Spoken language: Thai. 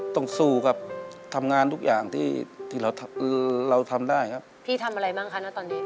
ต้องสู้กับทำงานทุกอย่างที่เราทำได้ครับพี่ทำอะไรบ้างคะตอนนี้